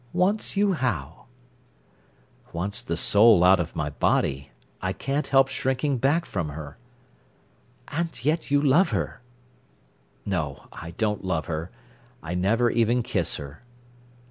"Wants you how?" "Wants the soul out of my body. I can't help shrinking back from her." "And yet you love her!" "No, I don't love her. I never even kiss her."